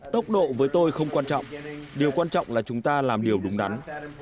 tốc độ với tôi không quan trọng điều quan trọng là chúng ta làm điều đúng đắn